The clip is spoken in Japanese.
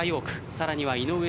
さらには井上咲楽。